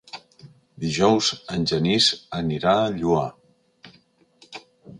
Dijous en Genís anirà al Lloar.